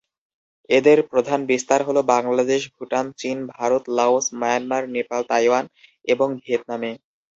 এদের প্রধান বিস্তার হল বাংলাদেশ, ভুটান, চীন, Bharat, Laos, Myanmar, Nepal, Taiwan এবং ভিয়েতনাম।